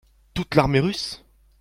Toute l’Armée russe.